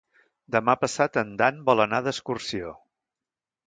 Demà passat en Dan vol anar d'excursió.